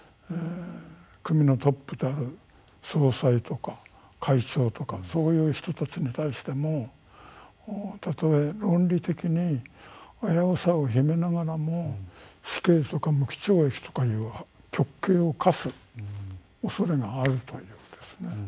組のトップである総裁とか会長とかそういう人たちに対してもたとえ論理的に危うさを秘めながらも死刑とか無期懲役とかいう極刑を科すおそれがあるというですね。